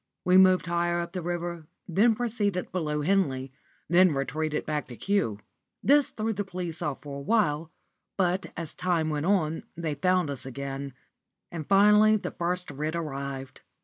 We moved higher up the river, then proceeded above Henley, then retreated back again to Kew. This threw the police out for awhile, but as time went on they found us again, and finally the first writ arrived.